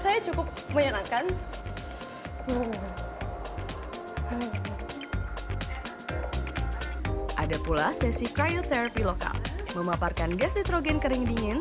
saya cukup menyenangkan ada pula sesi cryotherapy lokal memaparkan gas nitrogen kering dingin